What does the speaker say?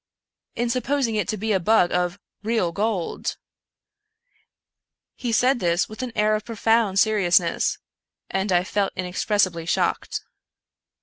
" In supposing it to be a bug of real gold." He said this with an air of profound seriousness, and I felt inexpressibly shocked.